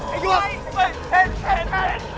แต่ตอนที่สติบ้าน